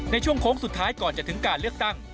ในช่วงโค้งสุดท้ายก่อนจะถึงการเลือกตั้ง